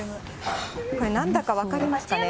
これなんだか分かりますかね？